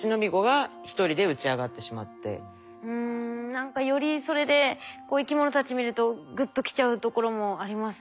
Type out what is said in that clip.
何かよりそれで生き物たち見るとグッときちゃうところもありますね。